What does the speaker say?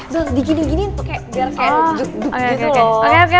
bel digini giniin biar kayak dup dup gitu loh